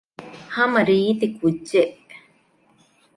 ހަމަ ރީތި ކުއްޖެއް